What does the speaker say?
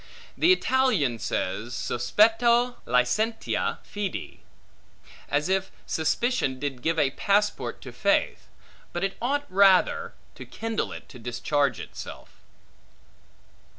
The Italian says, Sospetto licentia fede; as if suspicion, did give a passport to faith; but it ought, rather, to kindle it to discharge itself.